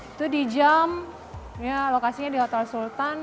itu di jam ya lokasinya di hotel sultan